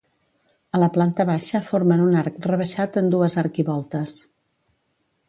A la planta baixa formen un arc rebaixat en dues arquivoltes.